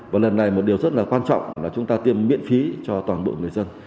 và lần này một điều rất là quan trọng là chúng ta tiêm miễn phí cho toàn bộ người dân